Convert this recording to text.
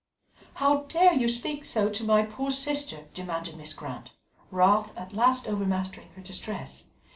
"How dare you speak so to my poor sister?" demanded Mrs. Grant, wrath at last overmastering her distress.